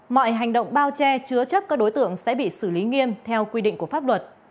mọi hành động bao che chứa chấp các đối tượng sẽ bị xử lý nghiêm theo quy định của pháp luật